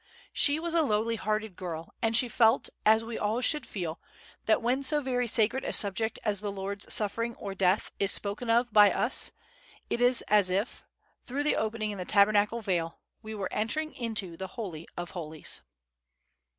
She was a lowly hearted girl, and she felt, as we all should feel, that when so very sacred a subject as the Lord's sufferings or death is spoken of by us, it is as if, through the opening in the Tabernacle Veil, we were entering into the Holy of holies.